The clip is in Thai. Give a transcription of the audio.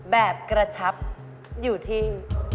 แบบกระชับอยู่ที่